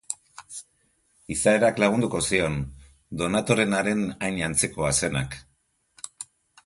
Izaerak lagunduko zion, Donatorenaren hain antzekoa zenak.